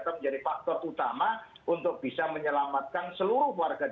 yang akan menjadi faktor utama untuk bisa menyelamatkan seluruh warga dki jakarta